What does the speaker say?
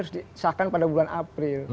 harus disahkan pada bulan april